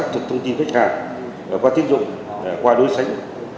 các thông tin của mình